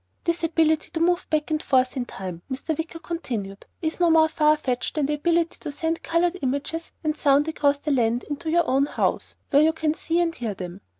"This ability to move back and forth in Time," Mr. Wicker continued, "is no more farfetched than the ability to send colored images and sound across the land into your own house, where you can see and hear them.